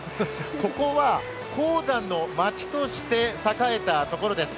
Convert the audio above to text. ここは鉱山の町として栄えたところです。